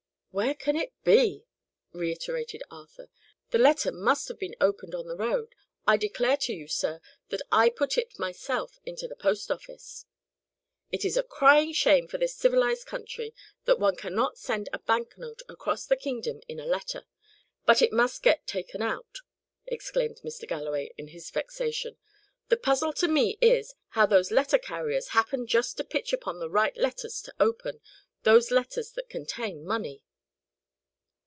"Where can it be?" reiterated Arthur. "The letter must have been opened on the road. I declare to you, sir, that I put it myself into the post office." "It is a crying shame for this civilized country, that one cannot send a bank note across the kingdom in a letter, but it must get taken out of it!" exclaimed Mr. Galloway, in his vexation. "The puzzle to me is, how those letter carriers happen just to pitch upon the right letters to open those letters that contain money!"